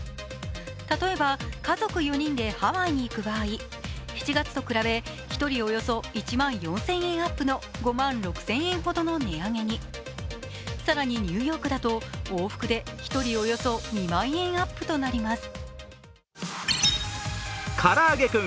例えば家族４人でハワイに行く場合７月と比べ１人およそ１万４０００円アップの５万６０００円ほどの値上げに更にニューヨークだと、往復で１人およそ２万円アップとなります。